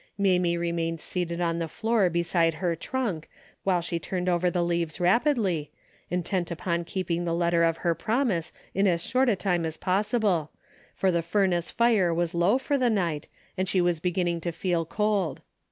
Mamie remained seated on the fioor beside her trunk while she turned over the leaves rapidly, intent upon keeping the letter of her promise in as short a time as possible, for the furnace fire was low for the night and she was beginning to feel cold.